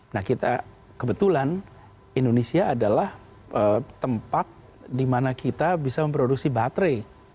nah kita kebetulan indonesia adalah tempat dimana kita bisa memproduksi baterai